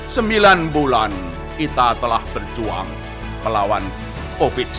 sembilan bulan kita telah berjuang melawan covid sembilan belas